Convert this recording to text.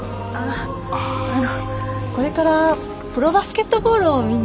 あああのこれからプロバスケットボールを見に。